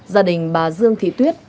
gia đình bà dương thị tuyết